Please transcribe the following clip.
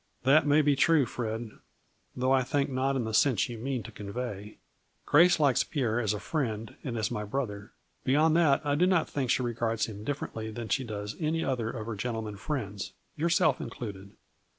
" That may be true, Fred, though I think not in the sense you mean to convey. Grace likes Pierre as a friend and as my brother Beyond that I do not think she regards him differently than she does any other of her gentlemen friends, yourself included."